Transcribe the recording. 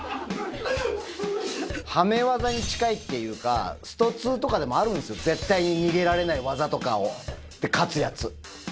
はめ技に近いっていうか、スト２とかでもあるんですよ、絶対に逃げられない技とかを、で、勝つやつ。